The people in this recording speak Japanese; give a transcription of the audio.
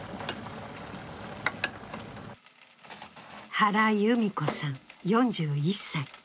原裕美子さん４１歳。